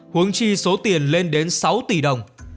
huống chi số tiền lên đến sáu tỷ đồng